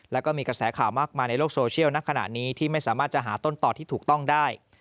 แล้วก็มีกระแสข่าวมากมายในโลกโซเชียลณขณะนี้ที่ไม่สามารถจะหาต้นต่อที่ถูกต้องได้